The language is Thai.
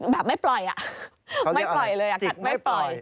แบบไม่ปล่อยไม่ปล่อยเลยกัดไม่ปล่อย